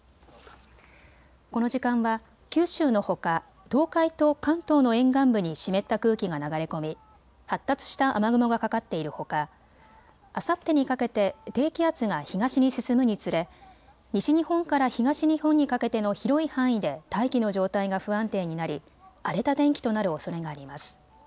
この時間は九州のほか東海と関東の沿岸部に湿った空気が流れ込み発達した雨雲がかかっているほかあさってにかけて低気圧が東に進むにつれ西日本から東日本にかけての広い範囲で大気の状態が不安定になり、荒れた天気となるおそれがあります。